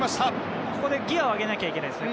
ここでギアを上げないといけないですね。